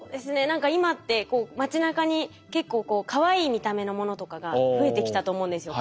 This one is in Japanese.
何か今って街なかに結構かわいい見た目のものとかが増えてきたと思うんですよ。